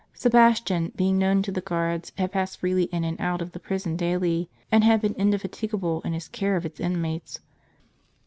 Sebastian, being known to the guards, had passed freely in, and out of, the prison daily; and had been indefatigable in his care of its inmates.